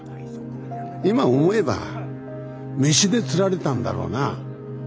今思えば飯で釣られてたんだろうな。